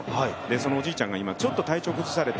そのおじいちゃんが今ちょっと体調を崩されて